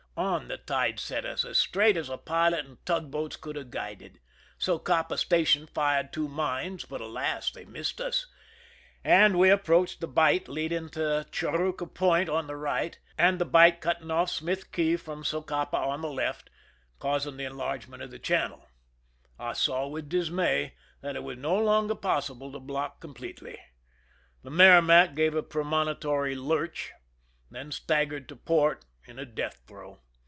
On the tide set us, as straight as a pilot and tugboats could have guided. Socapa station fired two mines, but, alas ! they missed us, and we approached the bight leading to Churruca Point to the right, and the bight cutting off Smith Cay from Socapa on the left, causing the enlarge ment of the channel. I saw with dismay that it was no longer possible to block completely. The Merrimac gave a premonitory lurch, then staggered to port in a death throe.